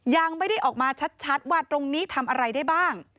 ยังไม่ได้ออกมาชัดว่าตรงนี้ทำอะไรได้บ้าง